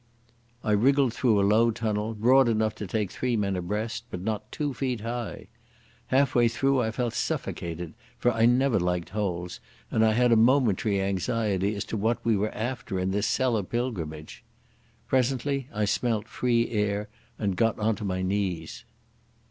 I wriggled through a low tunnel, broad enough to take three men abreast, but not two feet high. Half way through I felt suffocated, for I never liked holes, and I had a momentary anxiety as to what we were after in this cellar pilgrimage. Presently I smelt free air and got on to my knees.